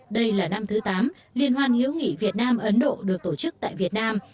đây là năm thứ tám liên hoan hiếu nghị việt nam ấn độ được tổ chức tại việt nam